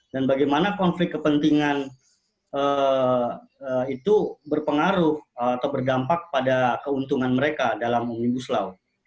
bagaimana konflik kepentingan itu berpengaruh atau berdampak pada keuntungan mereka dalam omnibus law